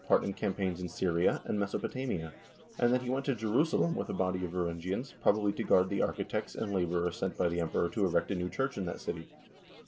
278 HISTORY OF THE NORWEGIAN PEOPLE campaigns in Syria and Mesopotamia, and that he went to Jerusalem with a body of Varangians, probably to guard the architects and laborers sent by the Emperor to erect a new church in that city.